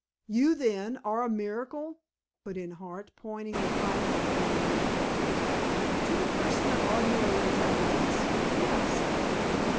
"You, then, are a miracle?" put in Hart, pointing the pipe at the little man. "To the person of ordinary intelligence—yes."